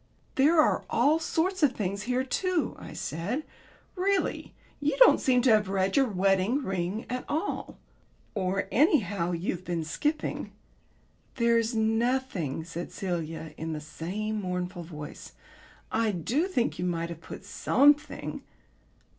"There are all sorts of things here too," I said. "Really, you don't seem to have read your wedding ring at all. Or, anyhow, you've been skipping." "There's nothing," said Celia in the same mournful voice. "I do think you might have put something."